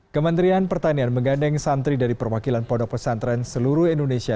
kementerian pertanian menggandeng santri dari perwakilan pondok pesantren seluruh indonesia